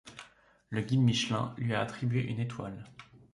Le Guide Michelin lui a attribué une étoile.